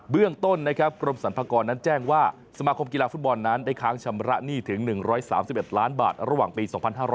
เรื่องต้นนะครับกรมสรรพากรนั้นแจ้งว่าสมาคมกีฬาฟุตบอลนั้นได้ค้างชำระหนี้ถึง๑๓๑ล้านบาทระหว่างปี๒๕๖๐